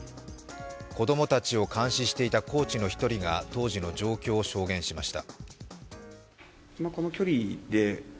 子供たちを監視していたコーチの１人が当時の状況を証言しました。